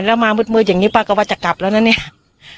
แล้วมามืดอย่างนี้ป้าก็ว่าจะกลับแล้วนะเนี่ย